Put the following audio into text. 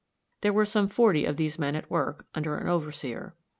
There were some forty of these men at work, under an overseer.